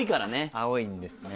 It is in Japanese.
青いんですね。